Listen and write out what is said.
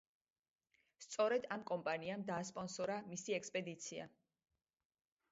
სწორედ ამ კომპანიამ დაასპონსორა მისი ექსპედიცია.